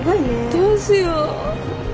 どうしよう。